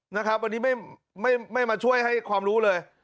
วันนี้ไม่มาช่วยให้ความรู้เลย